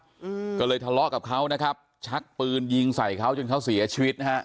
อืมก็เลยทะเลาะกับเขานะครับชักปืนยิงใส่เขาจนเขาเสียชีวิตนะฮะ